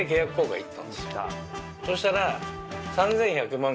そしたら。